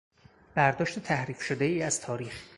برداشت تحریف شدهای از تاریخ